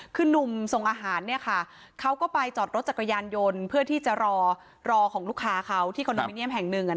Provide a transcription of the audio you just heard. คือนุ่มส่งอาหารเขาก็ไปจอดรถจักรยานยนต์เพื่อที่จะรอของลูกค้าเขาที่คอนโดมิเนียมแห่งหนึ่ง